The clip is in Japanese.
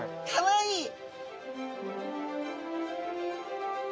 かわいい！